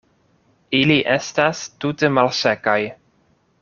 Ili estas tute malsekaj.